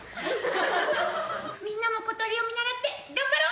みんなも小鳥を見習って頑張ろう！